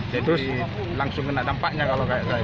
jadi langsung kena dampaknya kalau kayak saya